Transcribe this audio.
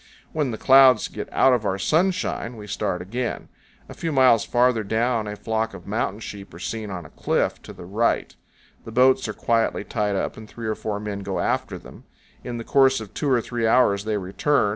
When the clouds "get out of our sunshine" we start again. A few miles farther down a flock of mountain sheep are seen on a cliff to the right. The boats are quietly tied up and three or four men go after them. In the course of two powell canyons 84.jpg ALCOVE LANDS. or three hours they return.